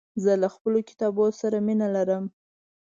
زه له خپلو کتابونو سره مينه لرم.